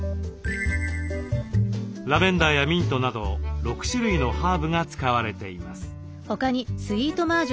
ラベンダーやミントなど６種類のハーブが使われています。